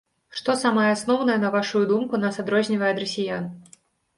Што самае асноўнае, на вашую думку, нас адрознівае ад расіян?